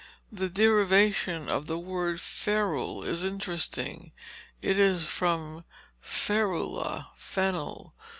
The derivation of the word "ferule" is interesting. It is from ferula, fennel.